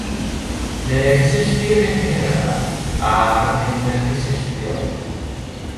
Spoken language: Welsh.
Fe'i cysylltir i'r cyhyrau a'r meinwe cysylltiol.